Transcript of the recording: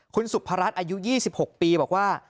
คุณสุพรัชอายุ๒๖ปีบอกว่า